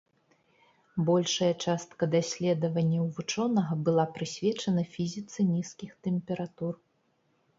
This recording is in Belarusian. Большая частка даследаванняў вучонага была прысвечана фізіцы нізкіх тэмператур.